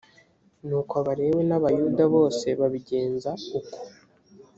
nuko abalewi n abayuda bose babigenza uko